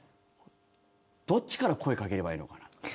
どっちから声を掛ければいいのかなって。